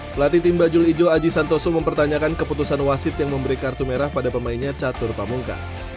pelatih timba julijo aji santoso mempertanyakan keputusan wasid yang memberi kartu merah pada pemainnya catur pamungkas